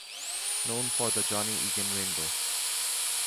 Known for the Johnny Egan Rainbow.